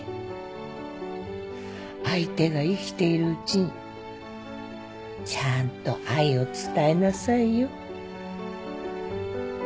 相手が生きているうちにちゃんと愛を伝えなさいよ。